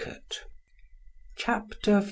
Chapter 1.